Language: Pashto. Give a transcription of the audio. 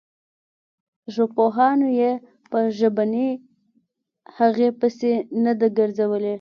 ژبپوهانو یې په ژبنۍ هغې پسې نه ده ګرځولې.